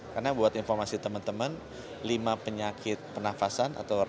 karena buat informasi teman teman lima penyakit penafian